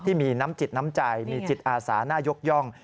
ที่มีน้ำจิตน้ำใจมีจิตอาสาน่ายกย่อง